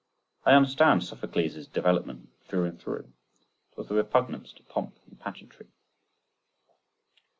I understand Sophocles' development through and through—it was the repugnance to pomp and pageantry.